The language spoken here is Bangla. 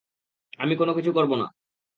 আমি কোনোকিছু করব না।